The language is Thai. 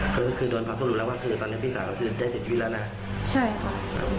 คือคือโดนเผาสรุปแล้วว่าคือตอนนี้พี่สาวได้เสร็จชีวิตแล้วนะใช่ค่ะ